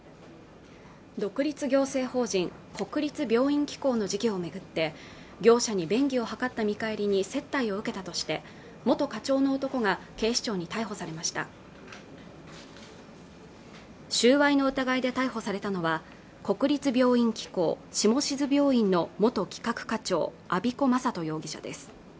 独立行政法人国立病院機構の事業を巡って業者に便宜を図った見返りに接待を受けたとして元課長の男が警視庁に逮捕されました収賄の疑いで逮捕されたのは国立病院機構下志津病院の元企画課長安彦昌人容疑者です